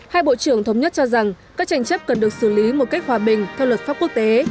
hai bộ trưởng thống nhất cho rằng các tranh chấp cần được xử lý một cách hòa bình theo luật pháp quốc tế